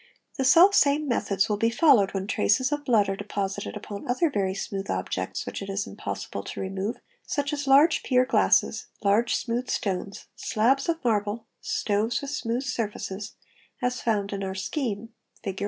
The self same methods will be followed when traces of blood are deposited upon other very smooth objects which it is impossible to remove, such as large pier glasses, large smooth stones, slabs of marble, stoves with smooth surfaces, as found in our scheme, Fig.